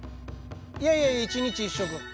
いやいや１日１食。